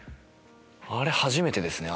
あれ初めてですね